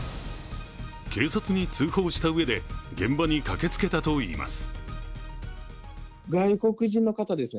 警察に通報したうえで現場に駆けつけたといいます。